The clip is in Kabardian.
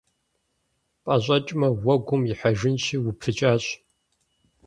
Пӏэщӏэкӏмэ, уэгум ихьэжынщи, упыкӏащ.